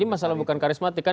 jadi masalah bukan karismatik kan